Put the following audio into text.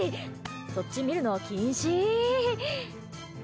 そっち見るの禁止！